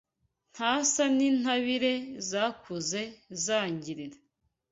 Ntasa n’intabire Zakuze zangirira